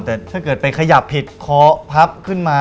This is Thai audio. แต่ถ้าเกิดไปขยับผิดคอพับขึ้นมา